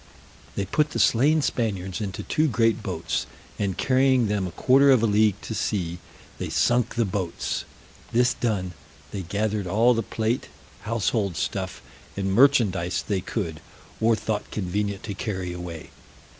They put the slain Spaniards into two great boats, and carrying them a quarter of a league to sea, they sunk the boats; this done, they gathered all the plate, household stuff, and merchandise they could, or thought convenient to carry away.